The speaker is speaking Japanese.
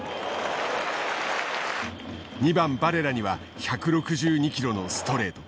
２番バレラには１６２キロのストレート。